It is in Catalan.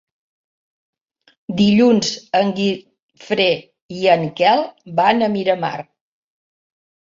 Dilluns en Guifré i en Quel van a Miramar.